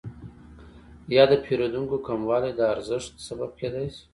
یا د پیرودونکو کموالی د ارزانښت سبب کیدای شي؟